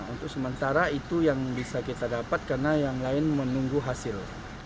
untuk sementara itu yang bisa kita dapat karena yang lain menunggu hasil